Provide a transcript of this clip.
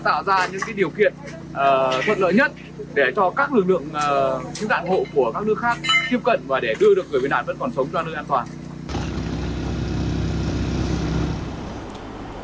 tiếp cận và để đưa được người nạn vẫn còn sống cho nơi an toàn